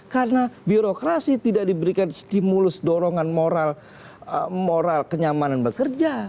karena birokrasi tidak diberikan stimulus dorongan moral kenyamanan bekerja